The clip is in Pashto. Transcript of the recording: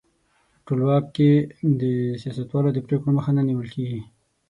ټولواک کې د سیاستوالو د پرېکړو مخه نه نیول کیږي.